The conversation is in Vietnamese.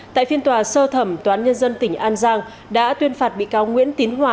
tại phiên tòa sơ thẩm toán nhân dân tỉnh an giang đã tuyên phạt bị cáo nguyễn tín hòa